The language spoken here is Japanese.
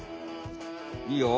いいよ。